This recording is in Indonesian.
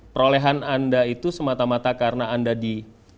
perolehan anda itu semata mata karena anda di